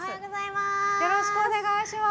よろしくお願いします。